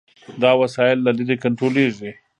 دا وسایل له لرې کنټرولېږي.